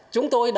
chúng tôi đã